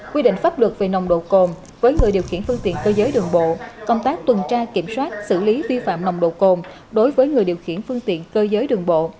quy định pháp luật về nồng độ cồn với người điều khiển phương tiện cơ giới đường bộ công tác tuần tra kiểm soát xử lý vi phạm nồng độ cồn đối với người điều khiển phương tiện cơ giới đường bộ